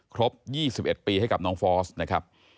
ครบ๒๑ปีให้กับน้องฟอสนะครับ